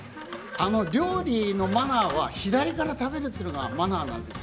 料理のマナーは左から食べるというのがマナーです。